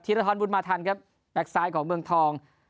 ทีรธรรมุนมาทันครับแบ็คซ้ายของเมืองทอง